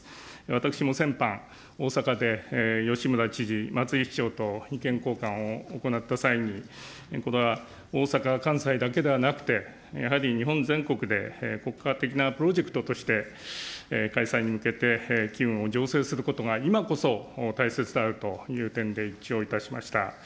私も先般、大阪で吉村知事、松井市長と意見交換を行った際に、大阪、関西だけではなくて、やはり日本全国で国家的なプロジェクトとして、開催に向けて機運を醸成することが、今こそ大切であるという点で一致をいたしました。